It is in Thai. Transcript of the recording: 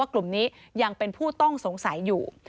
กลุ่มนี้ยังเป็นผู้ต้องสงสัยอยู่